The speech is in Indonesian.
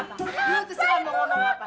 kamu terserah ngomong apa